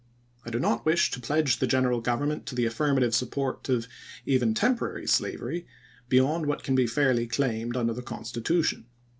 I do not wish to pledge the General Government to the afftrmative support of even temporary slavery beyond what can be fairly claimed under the Constitution.